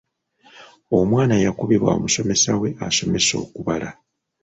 Omwana yakubibwa omusomesa we asomesa okubala.